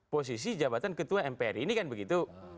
posisi jabatan ketua mpr ini kan begitu